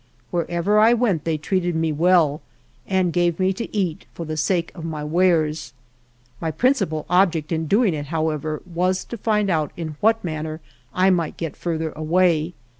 Wherever I went they treated me well, and gave me to eat for the sake of my wares. My principal object in doing it, however, was to find out in what manner I might get further away.